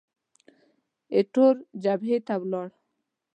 ایټور جبهې ته ولاړ.